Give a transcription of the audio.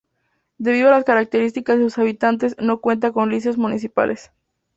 Debido a las características de sus habitantes, no cuenta con liceos municipales.